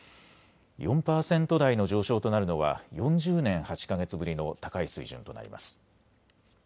４％台の上昇となるのは４０年８か月ぶりの高い水準となります。